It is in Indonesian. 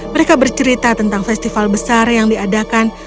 mereka bercerita tentang festival besar yang diadakan